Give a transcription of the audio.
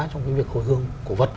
trong việc hồi hương cổ vật